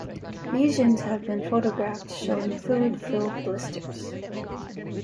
Lesions have been photographed showing fluid-filled blisters.